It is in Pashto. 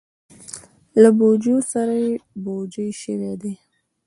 له بوجیو سره بوجۍ شوي دي.